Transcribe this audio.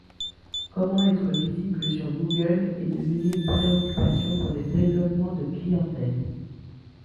Comment être visible sur Google est devenue une préoccupation pour le développement de clientèle.